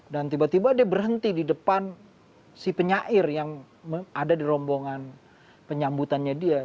dan tiba tiba dia berhenti di depan si penyair yang ada di rombongan penyambutannya dia